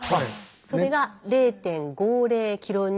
それが０．５０ｋＮ。